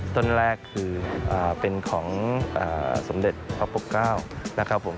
ต้นแรกคือเป็นของสมเด็จพระปกเก้านะครับผม